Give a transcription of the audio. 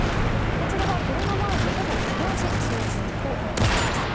こちらはコロナ前とほぼ同じ水準となっています。